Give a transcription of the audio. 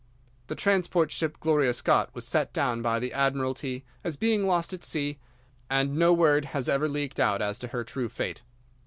The transport ship Gloria Scott was set down by the Admiralty as being lost at sea, and no word has ever leaked out as to her true fate.